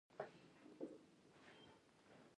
ژېرنده که ده پلار ده هم په وار ده